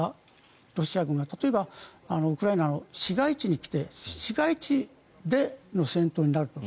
ロシア軍が例えばウクライナの市街地に来て市街地での戦闘になると。